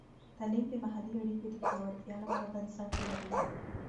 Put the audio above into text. تعلیم د محلي اړیکو د پیاوړتیا لپاره بنسټ لري.